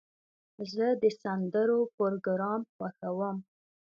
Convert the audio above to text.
زه د سندرو پروګرام خوښوم.